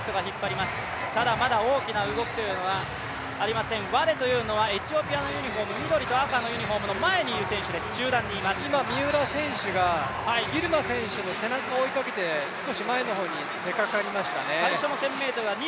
ただまだ大きな動きというのはありません、ワレというのはエチオピアのユニフォーム、緑と赤のユニフォーム、前にいる選手です今、三浦選手がギルマ選手の背中を追いかけて、少し前の方に出かかりましたね。